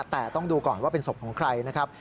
แต่ต้องดูก่อนว่าเป็นศพของใครนะครับ